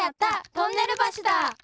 トンネルばしだ！